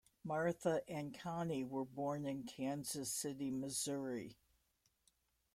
Martha and Connie were born in Kansas City, Missouri.